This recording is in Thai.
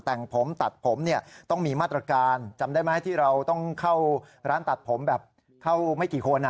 แต่งผมตัดผมเนี่ยต้องมีมาตรการจำได้ไหมที่เราต้องเข้าร้านตัดผมแบบเข้าไม่กี่คน